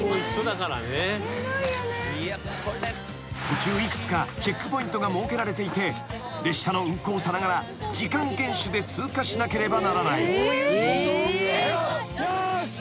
［途中幾つかチェックポイントが設けられていて列車の運行さながら時間厳守で通過しなければならない］よし！